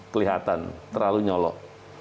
kelihatan terlalu nyolok